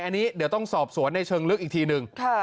อันนี้เดี๋ยวต้องสอบสวนในเชิงลึกอีกทีหนึ่ง